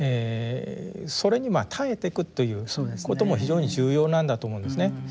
それに耐えていくっていうことも非常に重要なんだと思うんですね。